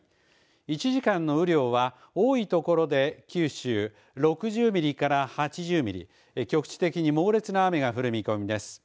１時間の雨量は多い所で九州６０ミリから８０ミリ局地的に猛烈な雨が降る見込みです。